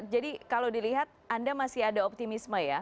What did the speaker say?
jadi kalau dilihat anda masih ada optimisme ya